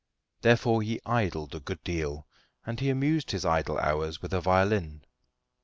Therefore he idled a good deal, and he amused his idle hours with a violin.